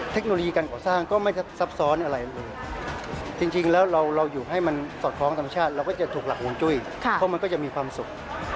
เทคโนโลยีการก่อสร้างก็ไม่ซับซ้อนอะไรเลยจริงแล้วเราอยู่ให้มันสอดคล้องธรรมชาติเราก็จะถูกหลักห่วงจุ้ยเพราะมันก็จะมีความสุข